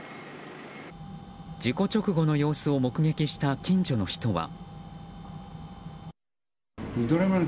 事故直後の様子を目撃した近所の人は。